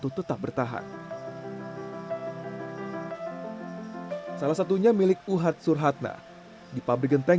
yang terkenal di jatiwangi